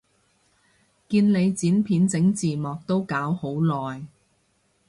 見你剪片整字幕都搞好耐